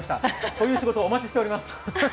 こういう仕事、お待ちしております！